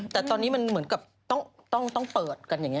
แต่ตอนนี้มันเหมือนกับต้องเปิดกันอย่างนี้